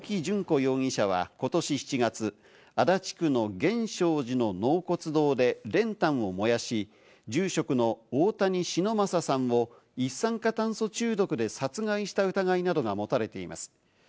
容疑者と役員の青木淳子容疑者はことし７月、足立区の源証寺の納骨堂で練炭を燃やし、住職の大谷忍昌さんを一酸化炭素中毒で殺害した疑いなどが持たれています。